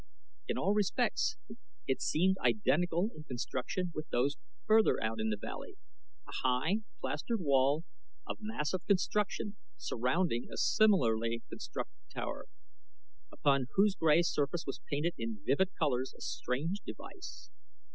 In all respects it seemed identical in construction with those further out in the valley a high, plastered wall of massive construction surrounding a similarly constructed tower, upon whose gray surface was painted in vivid colors a strange device.